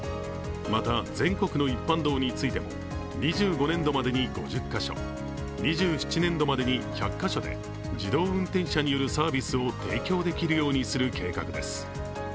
また、全国の一般道についても２５年度までに５０か所、２７年度までに１００か所で自動運転車によるサービスを提供できるようにする計画です。